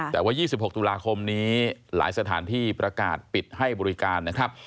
แต่ว่า๒๖ตุลาคมนี้หลายสถานที่ประกาศปิดให้บริการนะครับ